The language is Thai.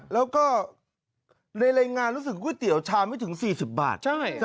แล้วก็ในรายงานรู้สึกก๋วยเตี๋ยวชามไม่ถึง๔๐บาท